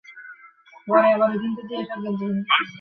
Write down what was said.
মুখ খোলো, লেক্স।